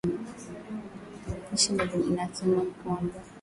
jeshi la Demokrasia ya Kongo lilisema kwamba